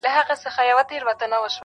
پر تندي يې شنه خالونه زما بدن خوري.